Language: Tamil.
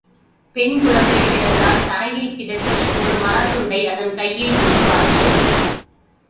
பெண் குழந்தை பிறந்தால் தரையில் கிடத்தி ஒரு மரத்துண்டை அதன் கையில் கொடுப்பார்கள்.